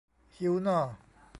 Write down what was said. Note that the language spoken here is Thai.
หิวน่อ